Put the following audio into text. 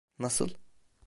Nasıl...